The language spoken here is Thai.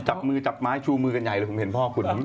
จับมือจับไม้ชู่มือดังใหญ่เหมือนพ่อคุณ